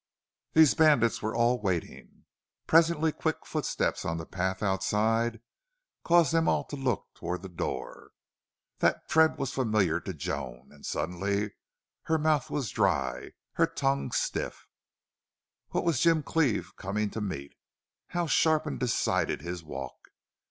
These bandits were all waiting. Presently quick footsteps on the path outside caused them all to look toward the door. That tread was familiar to Joan, and suddenly her mouth was dry, her tongue stiff. What was Jim Cleve coming to meet? How sharp and decided his walk!